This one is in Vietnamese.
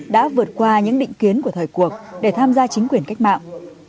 đã vượt qua những định kiến của thời cuộc để tham gia chính quyền cách mạng